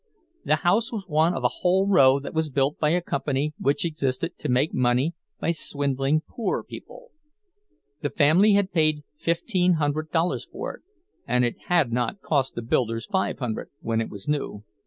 The house was one of a whole row that was built by a company which existed to make money by swindling poor people. The family had paid fifteen hundred dollars for it, and it had not cost the builders five hundred, when it was new.